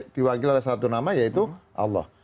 diwakil oleh satu nama yaitu allah